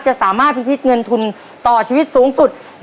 สามารถพิชิตเงินทุนต่อชีวิตสูงสุด